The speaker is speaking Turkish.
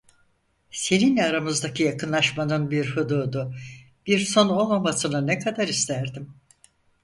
Seninle aramızdaki yakınlaşmanın bir hududu, bir sonu olmamasını ne kadar isterdim.